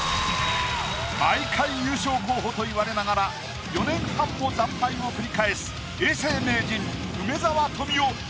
毎回優勝候補と言われながら４年半も惨敗を繰り返す永世名人梅沢富美男。